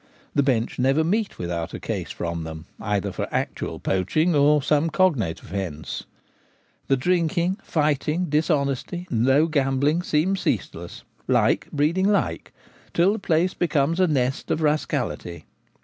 The bench never meet without a case from them, either for actual poaching or some cognate offence. The drinking, fighting, dishonesty, low gambling, seem ceaseless — like breeding like — till the place becomes a nest of ras cality.